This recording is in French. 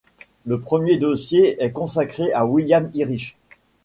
Le premier dossier est consacré à William Irish.